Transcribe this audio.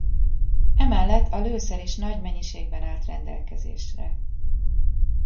Emellett a lőszer is nagy mennyiségben állt rendelkezésre.